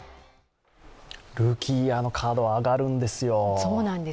ルーキーイヤーのカードは上がるんですよ。